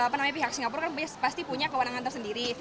pihak singapura kan pasti punya kewenangan tersendiri